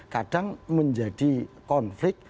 kadang menjadi konflik